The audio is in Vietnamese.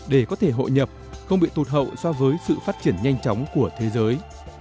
để có thể hội nhập không bị tụt hậu so với sự phát triển nhanh chóng của thế giới